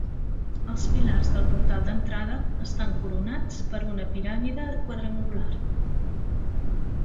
Els pilars del portal d'entrada estan coronats per una piràmide quadrangular.